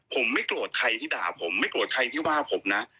ผมไม่โกรธใครที่ด่าผมไม่โกรธใครที่ว่าผมนะ